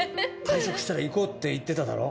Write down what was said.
退職したら行こうって言ってただろ。